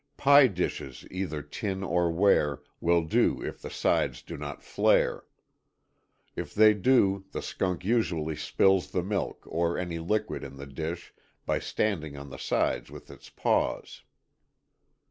Pie dishes either tin or ware, will do if the sides do not flare. If they do the skunk usually spills the milk or any liquid in the dish, by standing on the sides with its paws.